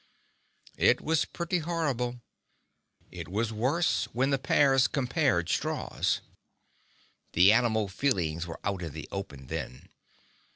It was pretty horrible. It was worse when the pairs compared straws. The animal feelings were out in the open then.